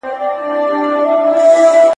زه مخکي مڼې خوړلي وه!.